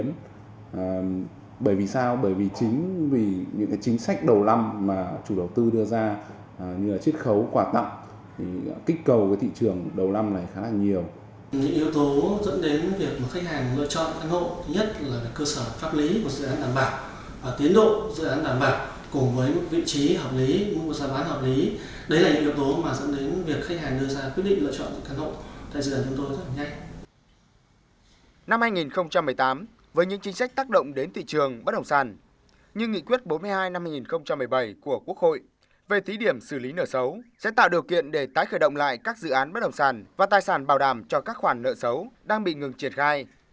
năm hai nghìn một mươi tám với những chính sách tác động đến thị trường bất đồng sản như nghị quyết bốn mươi hai hai nghìn một mươi bảy của quốc hội về thí điểm xử lý nợ xấu sẽ tạo điều kiện để tái khởi động lại các dự án bất đồng sản và tài sản bảo đảm cho các khoản nợ xấu đang bị ngừng triển khai